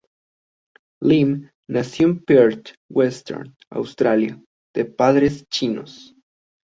Lim Nació en Perth, Western Australia, de padres chinos.